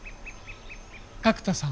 角田さん？